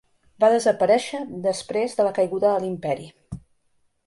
Va desaparèixer després de la caiguda de l'Imperi.